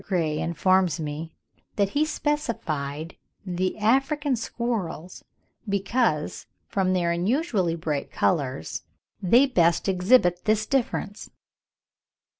Gray informs me that he specified the African squirrels, because, from their unusually bright colours, they best exhibit this difference.